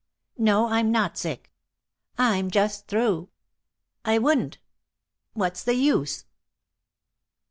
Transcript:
No, I'm not sick. I'm just through.... I wouldn't.... What's the use?"